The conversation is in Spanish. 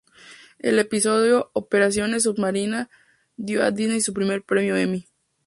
El episodio "Operación submarina" dio a Disney su primer Premio Emmy.